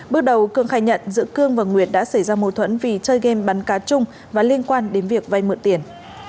bước đầu cương khai nhận giữa cương và nguyệt đã xảy ra mâu thuẫn vì chơi game bắn cá chung và liên quan đến việc vay mượn tiền